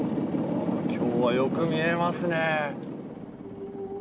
今日はよく見えますね。